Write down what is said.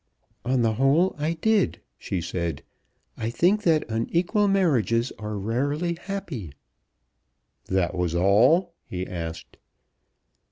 "On the whole I did," she said. "I think that unequal marriages are rarely happy." "That was all?" he asked.